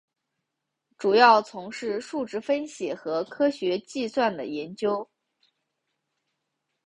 主要从事数值分析和科学计算的研究。